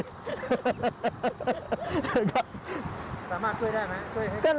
สามารถช่วยได้ไหม